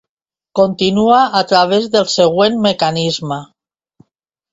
Continua a través del següent mecanisme.